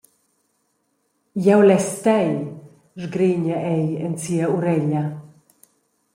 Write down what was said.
«Jeu less tei», sgregna ei en sia ureglia.